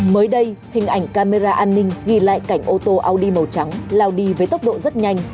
mới đây hình ảnh camera an ninh ghi lại cảnh ô tô audi màu trắng lao đi với tốc độ rất nhanh